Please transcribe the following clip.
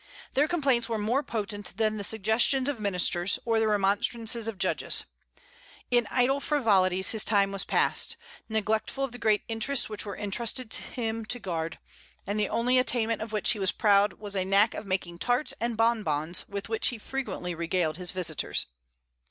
Their complaints were more potent than the suggestions of ministers, or the remonstrances of judges. In idle frivolities his time was passed, neglectful of the great interests which were intrusted to him to guard; and the only attainment of which he was proud was a knack of making tarts and bon bons, with which he frequently regaled his visitors.